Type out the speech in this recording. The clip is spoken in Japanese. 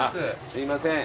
すいません。